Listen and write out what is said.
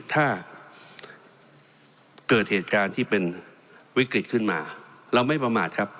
ถ้าเกิดเหตุการณ์ที่เป็นวิกฤตขึ้นมาเราไม่ประมาทครับ